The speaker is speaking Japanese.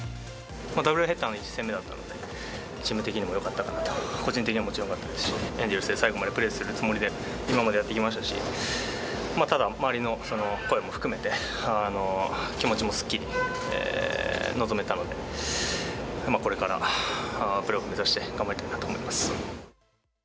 ダブルヘッダーの１戦目だったので、チーム的にもよかったのかなと、個人的にももちろんよかったですし、エンゼルスで最後までプレーするつもりで今までやってきましたし、まあただ、周りの声も含めて、気持ちもすっきり臨めたので、これからプレーオフ目指して頑張りたいなと思います。